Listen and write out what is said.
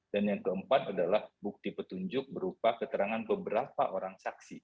dan yang keempat adalah bukti petunjuk berupa keterangan beberapa orang saksi